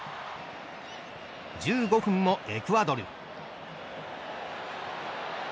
１５分も、エクアドル。